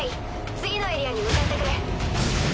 次のエリアに向かってくれ。